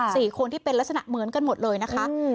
สี่คนที่เป็นลักษณะเหมือนกันหมดเลยนะคะอืม